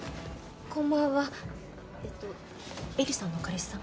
こんばんはえっとエリさんの彼氏さん？